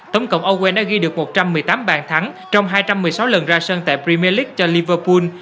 tổng cộng owen đã ghi được một trăm một mươi tám bàn thắng trong hai trăm một mươi sáu lần ra sân tại premier league cho liverpool